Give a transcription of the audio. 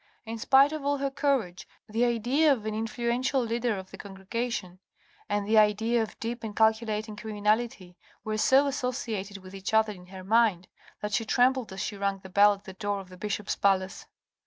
In spite of all her courage, the idea of an influential leader of the congregation, and the idea of deep and calculating criminality, were so associated with each other in her mind, that she trembled as she rang the bell at the door of the bishop's palace.